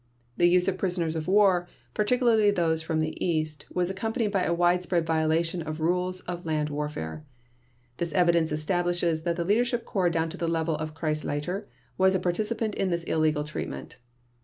The use of prisoners of war, particularly those from the East, was accompanied by a widespread violation of rules of land warfare. This evidence establishes that the Leadership Corps down to the level of Kreisleiter was a participant in this illegal treatment.